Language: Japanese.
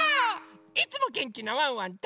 いつもげんきなワンワンと。